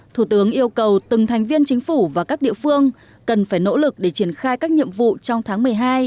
thủ tướng yêu cầu từng thành viên chính phủ và các địa phương cần phải nỗ lực để triển khai các nhiệm vụ trong tháng một mươi hai